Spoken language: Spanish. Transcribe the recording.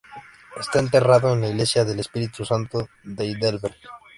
Está enterrado en la Iglesia del Espíritu Santo de Heidelberg.